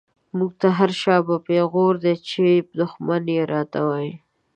موږ ته هر” شا به” پيغور دی، چی دښمن يې را ته وايې